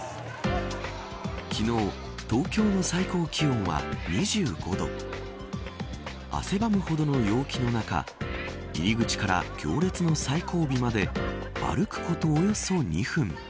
昨日、東京の最高気温は２５度汗ばむほどの陽気の中入り口から行列の最後尾まで歩くことおよそ２分。